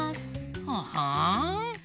ほほん。